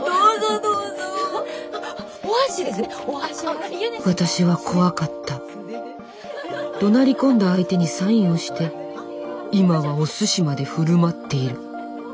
どなり込んだ相手にサインをして今はおすしまで振る舞っている。